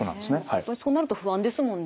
やっぱりそうなると不安ですもんね。